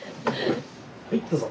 はいどうぞ！